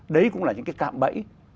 đấy cũng là những cái cạm bẫy